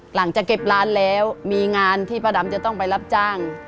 หลังจากเก็บร้านแล้วมีงานที่ป้าดำจะต้องไปรับจ้าง